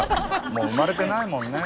もう生まれてないもんね。